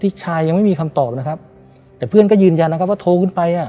พี่ชายยังไม่มีคำตอบนะครับแต่เพื่อนก็ยืนยันนะครับว่าโทรขึ้นไปอ่ะ